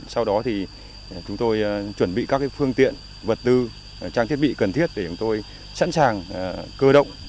sau đó thì chúng tôi chuẩn bị các phương tiện vật tư trang thiết bị cần thiết để chúng tôi sẵn sàng cơ động